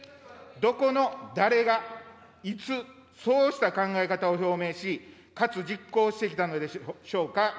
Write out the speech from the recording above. どこの誰が、いつ、そうした考え方を表明し、かつ、実行してきたのでしょうか。